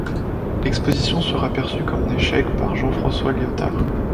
L'exposition sera perçue comme un échec par Jean-François Lyotard.